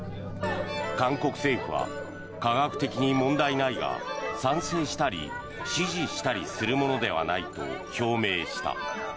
韓国政府は科学的に問題ないが賛成したり支持したりするものではないと表明した。